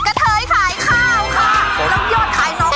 กระเทยขายข้าวค่ะ